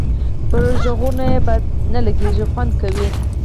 پر غوږونو یې بد نه لګيږي او خوند کوي.